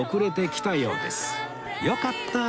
よかった